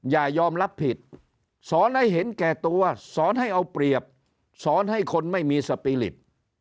อย่ายอมรับผิดสอนให้เห็นแก่ตัวสอนให้เอาเปรียบสอนให้คนไม่มีสปีริต